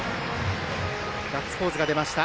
ガッツポーズが出ました。